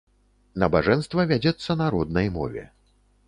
Набажэнства вядзецца на роднай мове.